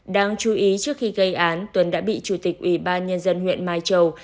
đáng chú ý trước khi gây án tuấn đã bị chủ tịch ủy ban nhân dân huyện mai châu